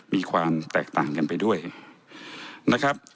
มีความแตกต่างกันไปด้วยนะครับ